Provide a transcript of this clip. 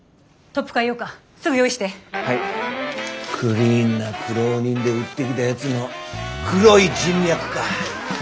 クリーンな苦労人で売ってきたヤツの黒い人脈か。